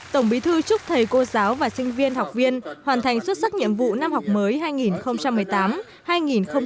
tổng bí thư chúc thầy cô giáo và sinh viên học viên hoàn thành xuất sắc nhiệm vụ năm học mới hai nghìn một mươi tám hai nghìn một mươi chín